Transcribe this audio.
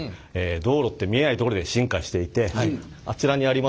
道路って見えないところで進化していてあちらにあります